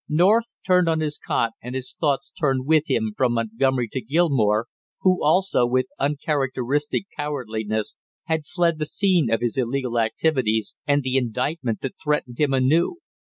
North turned on his cot and his thoughts turned with him from Montgomery to Gilmore, who also, with uncharacteristic cowardliness had fled the scene of his illegal activities and the indictment that threatened him anew.